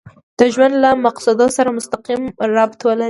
د ژوند له مقصد سره مسقيم ربط ولري.